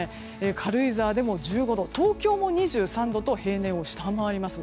軽井沢でも１５度東京も２３度と平年を下回ります。